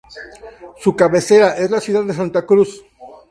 Su cabecera es la ciudad de Santa Cruz.